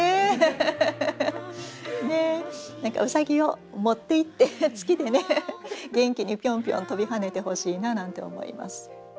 何かうさぎを持っていって月でね元気にピョンピョン跳びはねてほしいななんて思います。